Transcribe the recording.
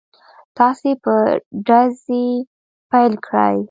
تاسې به ډزې پيل کړئ.